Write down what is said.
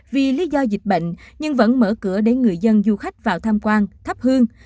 vì lý do dịch bệnh nhưng vẫn mở cửa để người dân du khách vào tham quan thắp hương